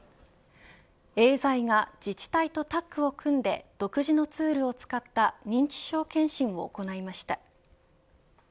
エーザイが自治体とタッグを組んで独自のツールを使った認知症検診を行いました。